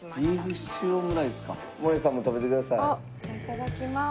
いただきます。